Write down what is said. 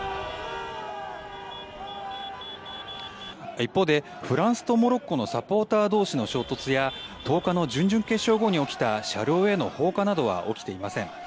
一方でフランスとモロッコのサポーター同士の衝突や１０日の準々決勝後に起きた車両への放火などは起きていません。